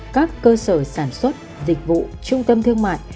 các cơ sở sản xuất dịch vụ trung tâm thương mại